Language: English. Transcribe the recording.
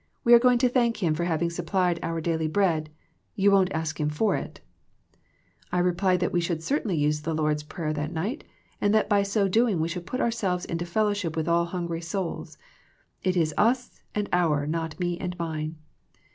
We are going to thank Him for having supplied our daily bread, you won't ask Him for it ?" I replied that we should certainly use the Lord's Prayer that night, and that by so doing we should put ourselves into fel lowship with all hungry souls. It is " us " and " our," not " me " and " mine."